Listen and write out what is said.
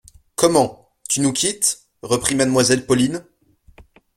Comment ! tu nous quittes ? reprit Mademoiselle Pauline.